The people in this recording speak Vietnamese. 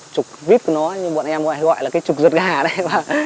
trục vip của nó như bọn em gọi là cái trục rượt gà đấy